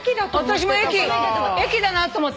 私も『駅』『駅』だなと思って。